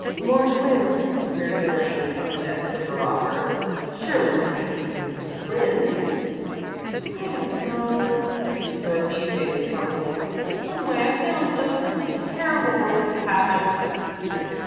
"More twins?" queried Elaine, from the depths of her rocker. "Surely there can't be any more twins?" "I don't know," answered Dorothy, vaguely troubled. "Someway, I feel as though something terrible were going to happen."